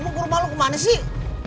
emang korma lo kemana sih